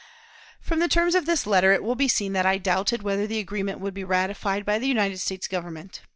From the terms of this letter it will be seen that I doubted whether the agreement would be ratified by the United States Government.